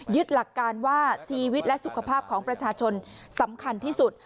หลักการว่าชีวิตและสุขภาพของประชาชนสำคัญที่สุด